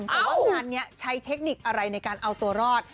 แต่ว่างานนี้ใช้เทคนิคอะไรในการเอาตัวรอด